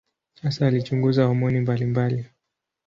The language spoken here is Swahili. Hasa alichunguza homoni mbalimbali.